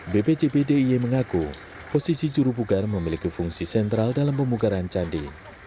bpcbd i mengaku posisi juru pugar memiliki fungsi sentral dalam pemugaran candi